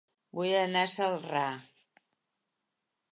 Vull anar a Celrà